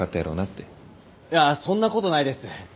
いやそんなことないです。